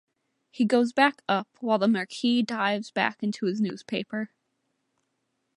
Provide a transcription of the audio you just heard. He goes back up while the Marquis dives back into his newspaper.